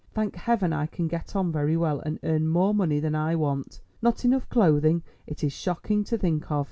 Thank Heaven, I can get on very well and earn more money than I want. Not enough clothing—it is shocking to think of!"